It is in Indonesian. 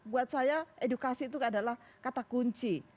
buat saya edukasi itu adalah kata kunci